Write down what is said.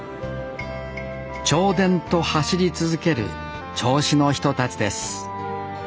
銚電と走り続ける銚子の人たちです